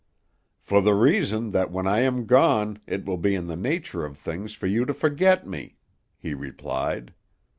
"For the reason that when I am gone it will be in the nature of things for you to forget me," he replied.